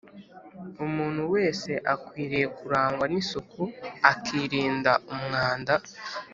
umuntu wese akwiriye kurangwa n’isuku akirinda umwanda